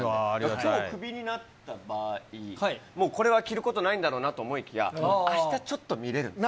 きょうクビになった場合、もうこれは着ることないんだろうなと思いきや、あしたちょっと見れる。